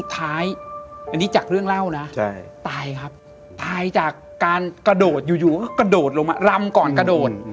ตายครับตายจากการกระโดดอยู่กระโดดลงมารำก่อนกระโดด